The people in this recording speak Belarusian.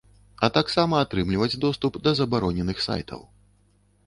А таксама атрымліваць доступ да забароненых сайтаў.